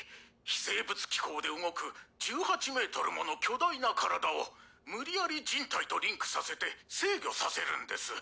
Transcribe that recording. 非生物機構で動く１８メートルもの巨大な体を無理やり人体とリンクさせて制御させるんです。